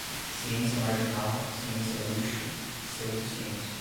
ciência marginal, ciência lixo, pseudociência